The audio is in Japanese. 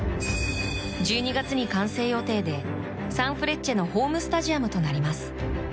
１２月に完成予定でサンフレッチェのホームスタジアムとなります。